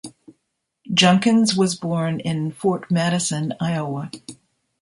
Junkins was born in Fort Madison, Iowa.